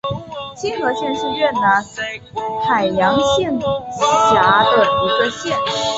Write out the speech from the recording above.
青河县是越南海阳省下辖的一个县。